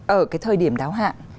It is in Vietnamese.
ở cái thời điểm đáo hạn